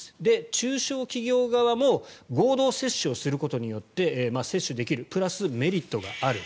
中小企業側も合同接種をすることによって接種できる、プラスメリットがある。